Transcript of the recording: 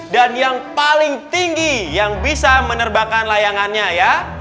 dan yang paling tinggi yang bisa menerbakan layangannya ya